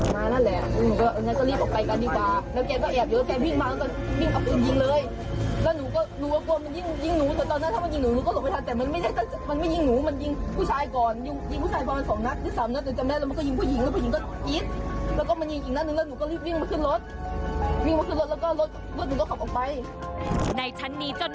ในน่าไม่ยิงหนูมันยิงผู้ชายก่อน